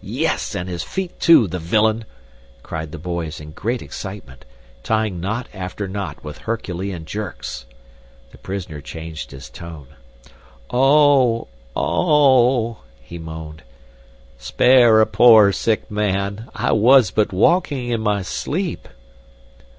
"Yes, and his feet too, the villain!" cried the boys in great excitement, tying knot after knot with Herculean jerks. The prisoner changed his tone. "Oh oh!" he moaned. "Spare a poor sick man I was but walking in my sleep."